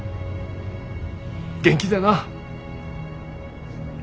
元気でな。